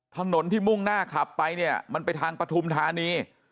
ถนนที่มุ่งหน้าขับไปเนี่ยมันไปทางปฐุมธานี